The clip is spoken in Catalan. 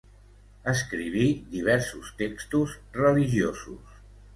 Escriví diversos textos religiosos.